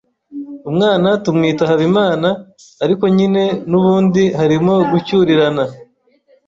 Umwana tumwita HABIMANA ariko nyine nubundi harimo gucyurirana